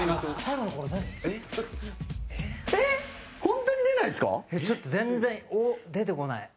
武井：ちょっと全然出てこない。